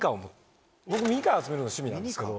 僕ミニカー集めるの趣味なんですけど。